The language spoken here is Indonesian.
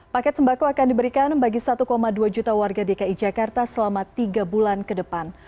paket sembako akan diberikan bagi satu dua juta warga dki jakarta selama tiga bulan ke depan